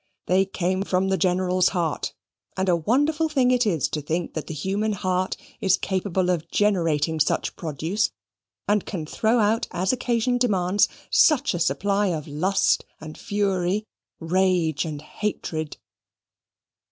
They came from the General's heart; and a wonderful thing it is to think that the human heart is capable of generating such produce, and can throw out, as occasion demands, such a supply of lust and fury, rage and hatred.